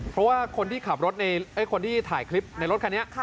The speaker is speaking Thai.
เพราะว่าคนที่ขับรถคนที่ถ่ายคลิปในรถคันนี้